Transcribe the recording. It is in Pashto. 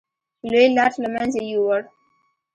لوی لاټ له منځه یووړ.